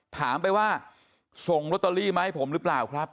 ถามไปว่าส่งลอตเตอรี่มาให้ผมหรือเปล่าครับ